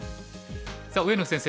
さあ上野先生。